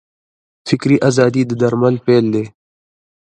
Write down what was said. فکري ازادي د درمل پیل دی.